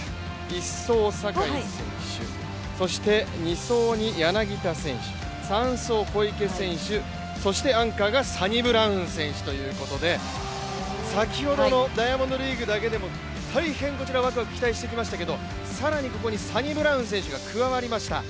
１走、坂井選手、そして２走に柳田選手、３走、小池選手、そしてアンカーがサニブラウン選手ということで、先ほどのダイヤモンドリーグだけでも大変こちらワクワク、期待してきましたけど更にここにサニブラウン選手が加わりました。